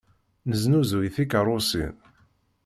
Nesnuzuy tikeṛṛusin.